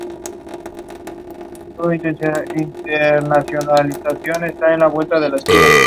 Una vez que la transmisión termina completamente, el jugador avanza.